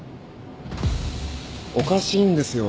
おかしいんですよ